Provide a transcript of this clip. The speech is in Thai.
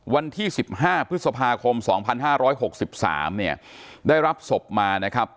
วันที่๑๕พฤษภาคม๒๕๖๓เนี่ยได้รับศพมานะครับ